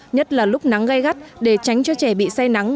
nhất là lúc nắng gai gắt để tránh cho trẻ bị say nắng